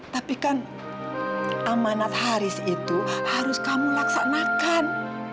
tapi kan amanat haris itu harus kamu laksanakan